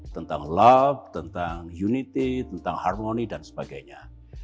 tentang love tentang unity tentang harmony dan sebagainya